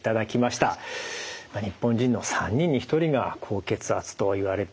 日本人の３人に１人が高血圧といわれています。